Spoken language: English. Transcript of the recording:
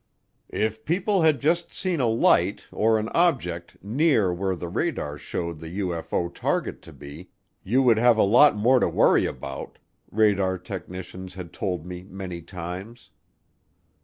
"If people had just seen a light, or an object, near where the radar showed the UFO target to be, you would have a lot more to worry about," radar technicians had told me many times.